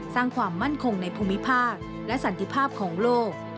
สร้างความมั่นคงในภูมิภาคและสันติภาพของโลก